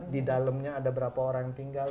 di dalamnya ada berapa orang yang tinggal